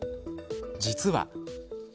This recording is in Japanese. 実は。